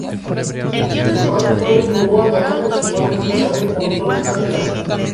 Su padre fue Luis Noboa Naranjo y su madre fue Isabel Pontón Ávila.